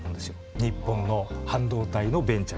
日本の半導体のベンチャーに。